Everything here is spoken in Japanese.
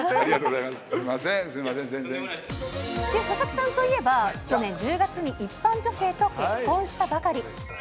佐々木さんといえば、去年１０月に一般女性と結婚したばかり。